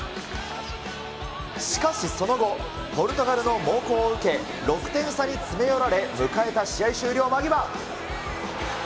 しかしその後、ポルトガルの猛攻を受け、６点差に詰め寄られ、迎えた試合終了間際。